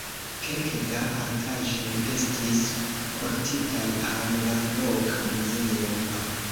Kelke da artaĵoj estis portitaj al la loka muzeo.